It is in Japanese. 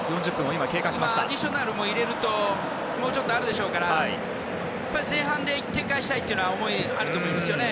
アディショナルも入れるともうちょっとあるでしょうから前半で１点返したい思いあると思うんですね。